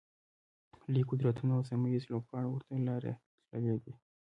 لوی قدرتونه او سیمه ییز لوبغاړي ورته لاره تللي دي.